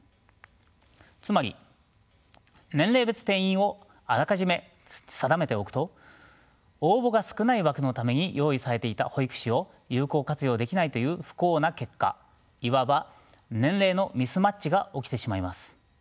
つまり年齢別定員をあらかじめ定めておくと応募が少ない枠のために用意されていた保育士を有効活用できないという不幸な結果いわば年齢のミスマッチが起きてしまいます。